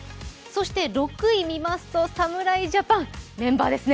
６位見ますと、侍ジャパン、メンバーですね。